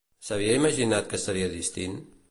S'havia imaginat que seria distint?